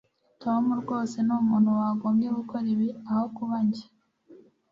tom rwose ni umuntu wagombye gukora ibi aho kuba njye